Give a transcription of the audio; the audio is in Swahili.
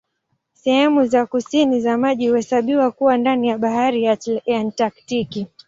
Sehemu za kusini za maji huhesabiwa kuwa ndani ya Bahari ya Antaktiki.